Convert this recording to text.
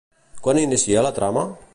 Quan inicia la trama?